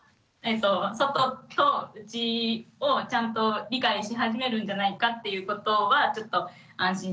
外と内をちゃんと理解し始めるんじゃないかっていうことはちょっと安心して。